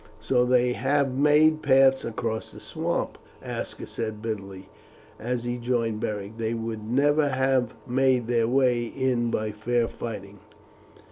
"So they have made paths across the swamp," Aska said bitterly, as he joined Beric. "They would never have made their way in by fair fighting."